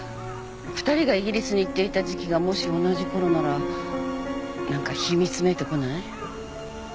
２人がイギリスに行っていた時期がもし同じころなら何か秘密めいてこない？